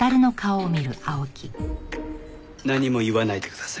何も言わないでください。